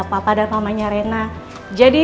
papa dan mamanya rena jadi